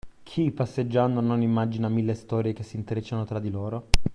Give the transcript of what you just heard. Chi passeggiando non immagina mille storie che si intrecciano tra di loro?